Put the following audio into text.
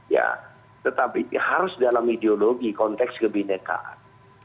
ya tetapi harus dalam ideologi konteks kebinekaan